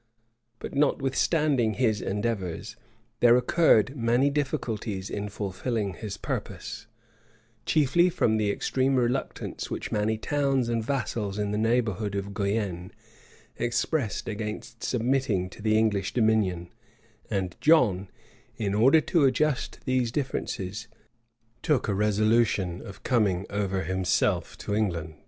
But, notwithstanding his endeavors, there occurred many difficulties in fulfilling his purpose; chiefly from the extreme reluctance which many towns and vassals in the neighborhood of Guienne expressed against submitting to the English dominion;[] and John, in order to adjust these differences, took a resolution of coming over himself to England.